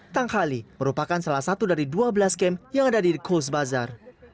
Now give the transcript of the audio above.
tangkali merupakan salah satu dari dua belas kamp yang ada di kogsbazar